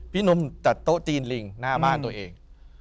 หนุ่มจัดโต๊ะจีนลิงหน้าบ้านตัวเอง